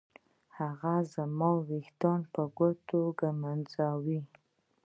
هغه زما ويښته په ګوتو ږمنځوي.